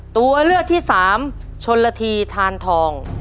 ตัวเลือกที่สามชนละทีทานทอง